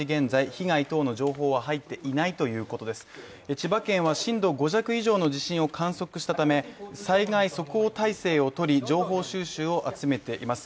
千葉県は震度５弱の地震を観測したため災害即応体制をとり、情報収集を行っています。